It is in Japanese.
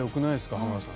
浜田さん。